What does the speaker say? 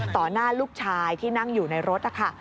หน้าลูกชายที่นั่งอยู่ในรถนะคะ